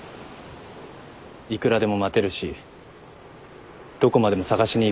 いくらでも待てるしどこまでも捜しに行くって。